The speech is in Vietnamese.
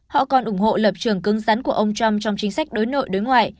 họ còn ủng hộ lập trường cứng rắn của ông trump trong chính sách đối nội đối ngoại